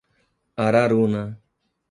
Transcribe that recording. Araruna